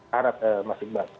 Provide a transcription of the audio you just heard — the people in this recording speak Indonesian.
harap mas imbak